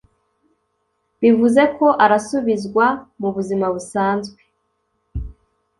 bivuze ko arasubizwa mu buzima busanzwe